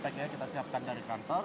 tki kita siapkan dari kantor